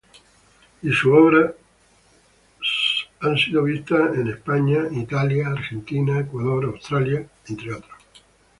Y sus obras han sido vistas en España, Italia, Argentina, Ecuador, Australia, entre otros.